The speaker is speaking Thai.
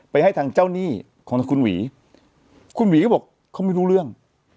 ให้ทางเจ้าหนี้ของทางคุณหวีคุณหวีก็บอกเขาไม่รู้เรื่อง